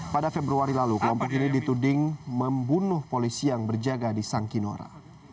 pada februari lalu kelompok ini dituding membunuh polisi yang berjaga di sangkinora